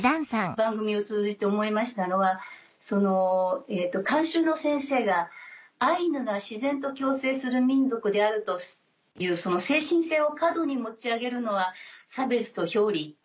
番組を通じて思いましたのはその監修の先生がアイヌが自然と共生する民族であるというその精神性を過度に持ち上げるのは差別と表裏一体。